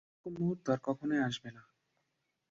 এরকম মুহুর্ত আর কখনোই আসবে নাহ।